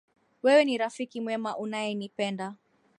Wewe ni rafiki mwema unayenipenda.